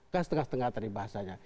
kan setengah setengah tadi bahasanya